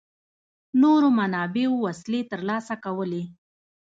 نورو منابعو وسلې ترلاسه کولې.